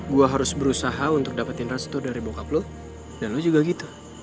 gue harus berusaha untuk dapetin restu dari bokap lo dan lo juga gitu